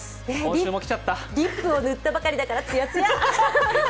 リップを塗ったばかりだから、ツヤツヤ。